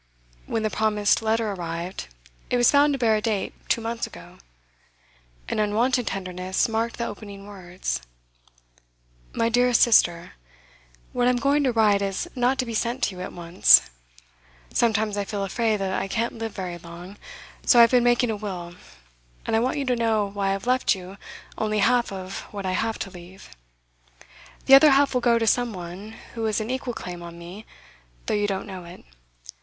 When the promised letter arrived, it was found to bear a date two months ago. An unwonted tenderness marked the opening words. MY DEAREST SISTER What I am going to write is not to be sent to you at once. Sometimes I feel afraid that I can't live very long, so I have been making a will, and I want you to know why I have left you only half of what I have to leave. The other half will go to some one who has an equal claim on me, though you don't know it.